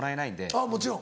あぁもちろん。